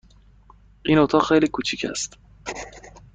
این اتاق خیلی کوچک است.